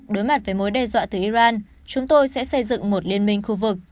đối mặt với mối đe dọa từ iran chúng tôi sẽ xây dựng một liên minh khu vực